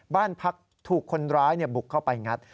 บ้านพักถูกคนร้ายบุกเข้าไปงัด